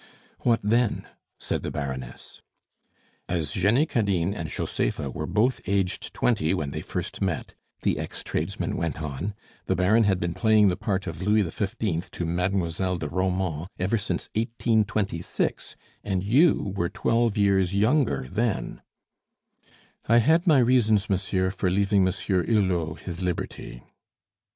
"What then?" said the Baroness. "As Jenny Cadine and Josepha were both aged twenty when they first met," the ex tradesman went on, "the Baron had been playing the part of Louis XV. to Mademoiselle de Romans ever since 1826, and you were twelve years younger then " "I had my reasons, monsieur, for leaving Monsieur Hulot his liberty."